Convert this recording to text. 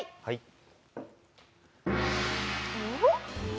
はい。